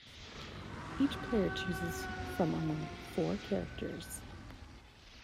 Each player chooses from among four characters.